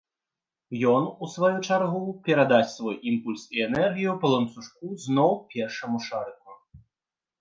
Ён, у сваю чаргу, перадасць свой імпульс і энергію па ланцужку зноў першаму шарыку.